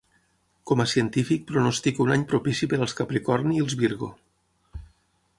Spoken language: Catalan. Com a científic, pronostico un any propici per als Capricorni i els Virgo.